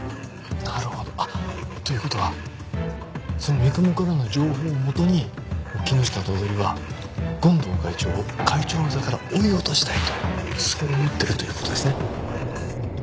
なるほど。という事はその三雲からの情報を元に木下頭取は権藤会長を会長の座から追い落としたいとそう思ってるという事ですね。